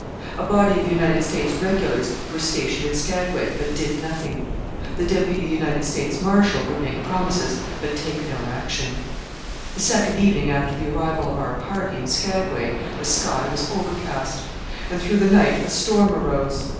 A body of United States Regulars were stationed at Skagway, but did nothing. The Deputy United States Marshal would make promises, but take no action. The second evening after the arrival of our party in Skagway the sky was overcast, and through the night a storm arose.